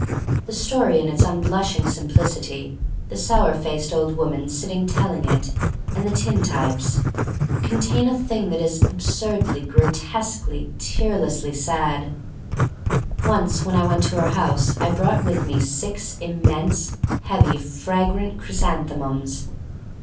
The story in its unblushing simplicity, the sour faced old woman sitting tell ing it, and the tin types, — contain a thing that is absurdly, grotesquely, tearlessly sad. Once when I went to her house I brought with me six immense, heavy, fragrant chrysanthemums.